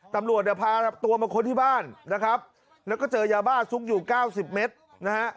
ตำรวจเนี่ยพาตัวมาค้นที่บ้านนะครับแล้วก็เจอยาบ้าซุกอยู่เก้าสิบเมตรนะฮะ